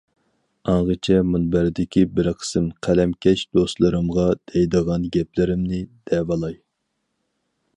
ئاڭغىچە مۇنبەردىكى بىر قىسىم قەلەمكەش دوستلىرىمغا دەيدىغان گەپلىرىمنى دەۋالاي.